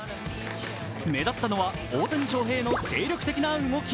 目立ったのは、大谷翔平の精力的な動き。